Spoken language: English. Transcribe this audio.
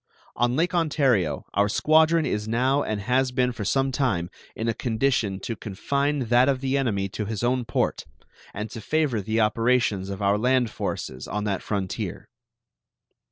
On Lake Ontario our squadron is now and has been for some time in a condition to confine that of the enemy to his own port, and to favor the operations of our land forces on that frontier.